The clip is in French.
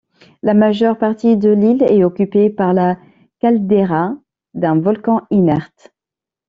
La majeure partie de l'île est occupée par la caldeira d'un volcan inerte.